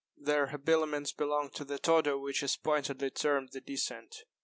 Their habiliments belonged to that order which is pointedly termed the decent.